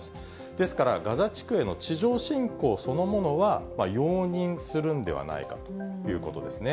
ですから、ガザ地区への地上侵攻そのものは、容認するんではないかということですね。